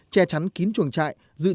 che chắn kín chuồng chạy dự trữ thức ăn ra súc